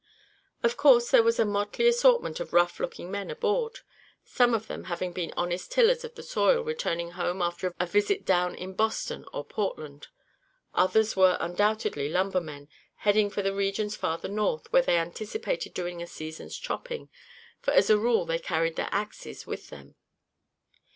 Of course there was a motley assortment of rough looking men aboard. Some of them may have been honest tillers of the soil returning home after a visit down in Boston or Portland. Others were undoubtedly lumbermen, heading for regions farther north, where they anticipated doing a season's chopping, for as a rule they carried their axes with them.